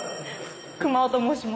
熊雄と申します。